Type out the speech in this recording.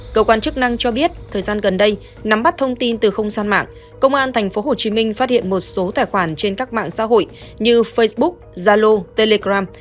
cơ quan chức năng cho biết thời gian gần đây nắm bắt thông tin từ không gian mạng công an tp hcm phát hiện một số tài khoản trên các mạng xã hội như facebook zalo telegram